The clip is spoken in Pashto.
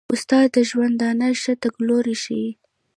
استاد د ژوندانه ښه تګلوری ښيي.